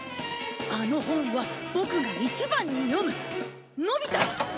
「あの本はぼくが一ばんによむ」「のび太」！